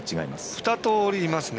２通りいますね。